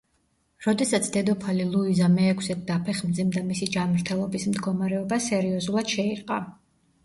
როდესაც დედოფალი ლუიზა მეექვსედ დაფეხმძიმდა მისი ჯანმრთელობის მდგომარეობა სერიოზულად შეირყა.